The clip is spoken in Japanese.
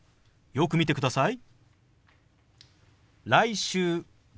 よく見てください。